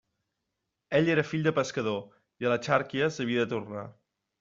Ell era fill de pescador, i a les xàrcies havia de tornar.